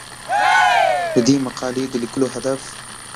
د دې مقالې د لیکلو هدف